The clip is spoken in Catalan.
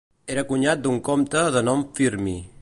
Era cunyat d'un comte de nom Firmí.